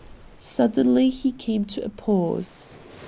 Suddenly he came to a pause.